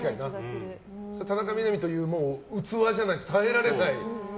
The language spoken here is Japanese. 田中みな実という器じゃないと耐えられない。